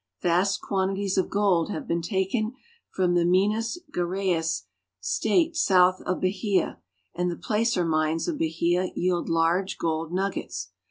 Vast quantities of gold have been taken from Minas Geraes (me'nas zha ra'es), a state south of Bahia, and the placer mines of Bahia yield large golden nuggets.